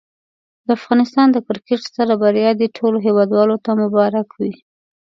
د افغانستان د کرکټ ستره بریا دي ټولو هېوادوالو ته مبارک وي.